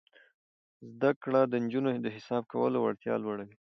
زده کړه د نجونو د حساب کولو وړتیا لوړوي.